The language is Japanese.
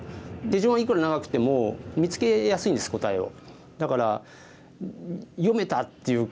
手順はいくら長くても見つけやすいんです答えを。